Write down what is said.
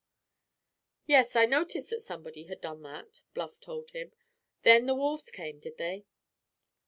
"Yes; I noticed that somebody had done that," Bluff told him. "Then the wolves came, did they?"